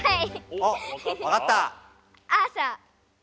あっわかった。